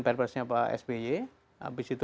persnya pak sby abis itu